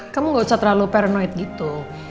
kamu gak usah terlalu paranoid gitu